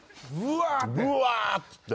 ぶわっつって。